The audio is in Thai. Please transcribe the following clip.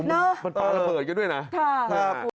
มันต้องระเผิดกันด้วยนะค่ะค่ะค่ะ